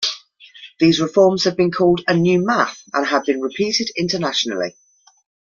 These reforms have been called a new math and have been repeated internationally.